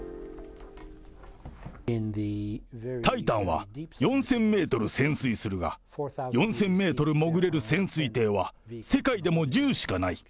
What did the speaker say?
タイタンは４０００メートル潜水するが、４０００メートル潜れる潜水艇は世界でも１０しかない。